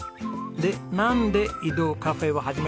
でなんで移動カフェを始めたんですか？